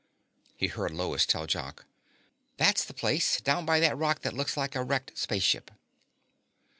He heard Lois tell Jock, "That's the place, down by that rock that looks like a wrecked spaceship."